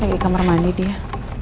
pagi kamar mandi dia